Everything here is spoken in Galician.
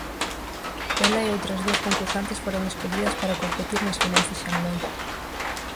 Ela e outras dúas concursantes foron escollidas para competir nas finais de Shanghai.